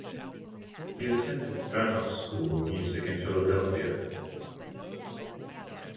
He attended Granoff School of Music in Philadelphia.